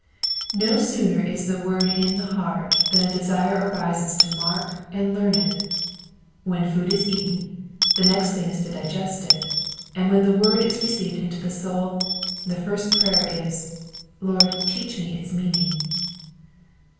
No sooner is the word in the heart than a desire arises to mark and learn it. When food is eaten, the next thing is to digest it ; and when the word is received into the soul, the first prayer is — Lord, teach me its meaning.